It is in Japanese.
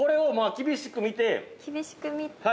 ◆厳しく見て。